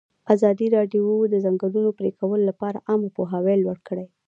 ازادي راډیو د د ځنګلونو پرېکول لپاره عامه پوهاوي لوړ کړی.